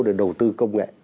để đầu tư công nghệ